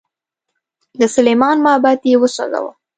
د سلیمان معبد یې وسوځاوه.